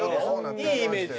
いいイメージで。